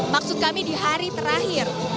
maksud kami di hari terakhir